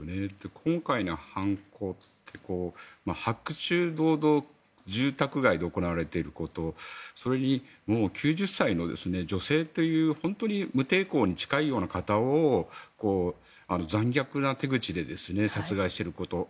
今回の犯行、白昼堂々住宅街で行われていることそれにもう９０歳の女性という本当に無抵抗に近いような方を残虐な手口で殺害していること